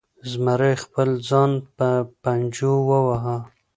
زمري خپل ځان په پنجو وواهه.